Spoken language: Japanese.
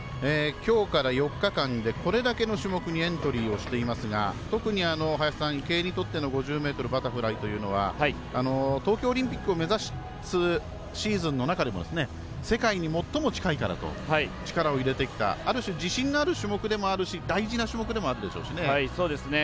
きょうから４日間でこれだけの種目にエントリーをしていますが特に林さん、池江にとっての５０ｍバタフライというのは東京オリンピックを目指すシーズンの中でも世界に最も近いからと力を入れてきたある種自信のある種目でもあるし大事な種目でもありますよね。